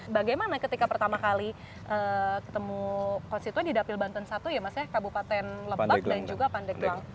bagaimana ketika pertama kali ketemu konstituen di dapil banten satu ya mas ya kabupaten lebak dan juga pandeglang